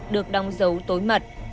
đóng dấu tối mật